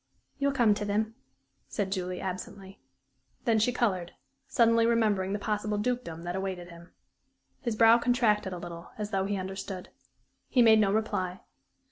"You'll come to them," said Julie, absently. Then she colored, suddenly remembering the possible dukedom that awaited him. His brow contracted a little, as though he understood. He made no reply.